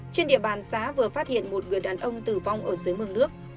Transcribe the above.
trên địa bàn xã vừa phát hiện một người đàn ông tử vong ở dưới mương nước